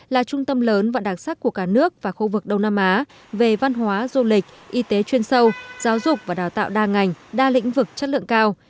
là trung tâm lớn và đặc sắc của cả nước và khu vực đông nam á về văn hóa du lịch y tế chuyên sâu giáo dục và đào tạo đa ngành đa lĩnh vực chất lượng cao